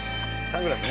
サングラス？